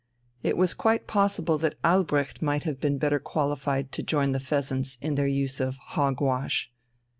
It was quite possible that Albrecht might have been better qualified to join the "Pheasants" in their use of "hog wash."